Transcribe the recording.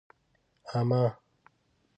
اما